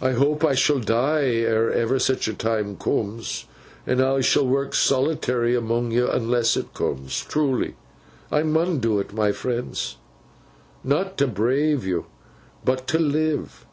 I hope I shall die ere ever such a time cooms, and I shall work solitary among yo unless it cooms—truly, I mun do 't, my friends; not to brave yo, but to live.